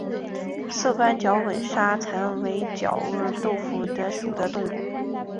色斑角吻沙蚕为角吻沙蚕科角吻沙蚕属的动物。